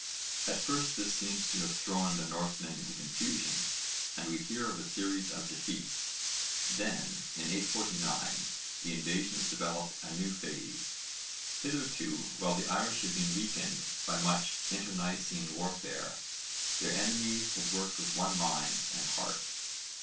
At first this seems to have thrown the Norsemen into confusion and we hear of a series of defeats. Then, in 849, the invasions developed a new phase. Hitherto while the Irish had been weakened by much internecine warfare, their enemies had worked with one mind and heart.